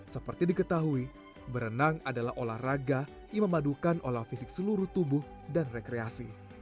seperti diketahui berenang adalah olahraga yang memadukan olah fisik seluruh tubuh dan rekreasi